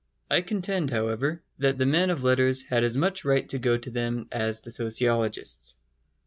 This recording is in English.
I contend, however, that the men of letters had as much right to go to them as the sociologists.